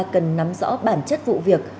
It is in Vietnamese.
cần nắm rõ bản chất vụ việc